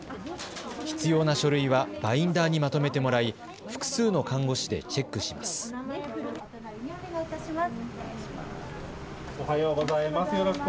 必要な書類はバインダーにまとめてもらい、複数の看護師でチェックします。